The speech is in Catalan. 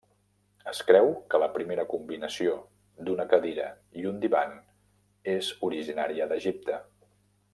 Es creu que la primera combinació d'una cadira i un divan és originària d'Egipte.